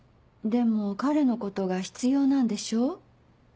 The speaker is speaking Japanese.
でも彼のことが必要なんでしょ？